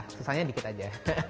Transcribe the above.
susahnya dikit aja